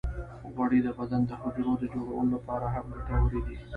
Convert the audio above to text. غوړې د بدن د حجرو د جوړولو لپاره هم ګټورې دي.